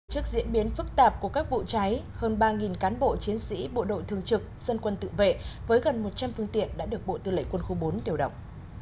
trước diễn biến phức tạp của các vụ cháy hơn ba cán bộ chiến sĩ bộ đội thường trực dân quân tự vệ với gần một trăm linh phương tiện đã được bộ tư lệnh quân khu bốn điều động